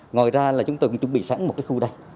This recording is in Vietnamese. ngoài ra là chúng tôi cũng chuẩn bị sẵn một cái khu đây